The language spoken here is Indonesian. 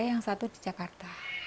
yang satu di jakarta